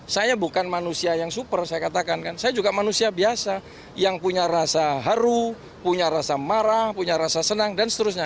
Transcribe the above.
saya bukan manusia yang super saya katakan kan saya juga manusia biasa yang punya rasa haru punya rasa marah punya rasa senang dan seterusnya